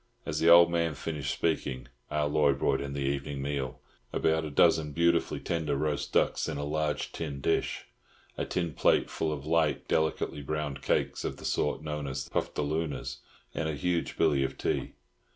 As the old man finished speaking, Ah Loy brought in the evening meal—about a dozen beautifully tender roast ducks in a large tin dish, a tin plate full of light, delicately browned cakes of the sort known as "puftalooners," and a huge billy of tea.